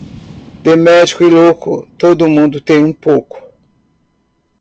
De médico e louco, todo mundo tem um pouco